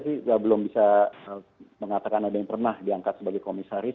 saya belum bisa mengatakan ada yang pernah diangkat sebagai komisaris